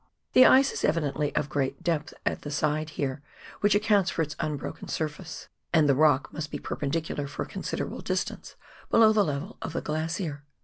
The ice is evidently of great depth at the side here, which accounts for its unbroken surface, and the COOK KIVER — FOX GLACIER. 107 rock must be perpendicular for a considerable distance below the level of the glacier.